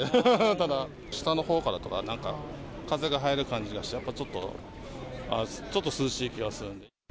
ただ、下のほうからなんか風が入る感じがして、やっぱちょっと、ちょっと涼しい気がする。